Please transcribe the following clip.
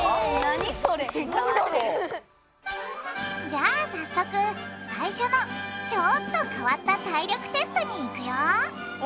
じゃあ早速最初のちょっと変わった体力テストにいくよ！